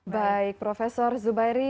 baik profesor zubairi